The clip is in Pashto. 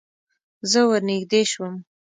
زه ور نږدې شوم.